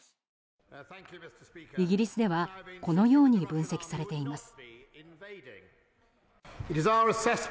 イギリスではこのように分析されています。